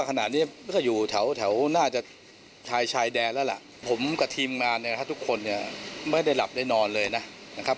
ไปชายแดดแล้วล่ะผมกับทีมงานทุกคนไม่ได้หลับได้นอนเลยนะครับ